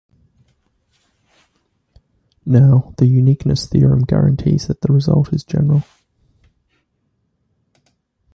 Now, the uniqueness theorem guarantees that the result is general.